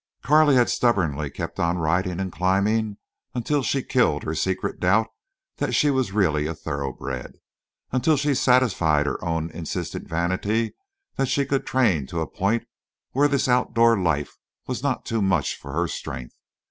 Carley had stubbornly kept on riding and climbing until she killed her secret doubt that she was really a thoroughbred, until she satisfied her own insistent vanity that she could train to a point where this outdoor life was not too much for her strength.